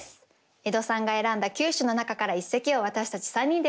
江戸さんが選んだ９首の中から一席を私たち３人で予想します。